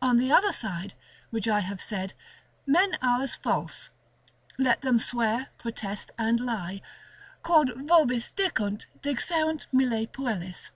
On the other side, which I have said, men are as false, let them swear, protest, and lie; Quod vobis dicunt, dixerunt mille puellis.